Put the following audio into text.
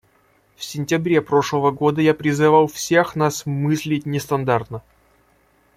В сентябре прошлого года я призывал всех нас мыслить нестандартно.